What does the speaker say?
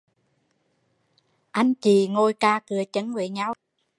Anh chị ngồi cà cựa chưn với nhau dưới gầm bàn